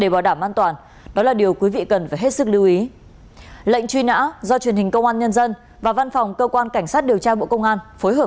bị truy nã về tội trộm cắp tài sản